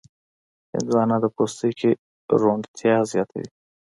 هندوانه د پوستکي روڼتیا زیاتوي.